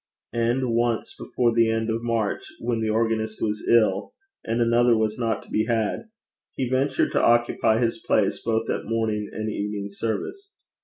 And once before the end of March, when the organist was ill, and another was not to be had, he ventured to occupy his place both at morning and evening service.